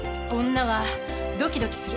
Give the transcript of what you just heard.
女はドキドキする。